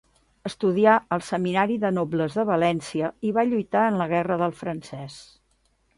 Estudià al Seminari de Nobles de València i va lluitar en la guerra del francès.